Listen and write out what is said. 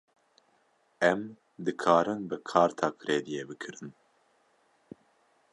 Em dikarin bi karta krediyê bikirin?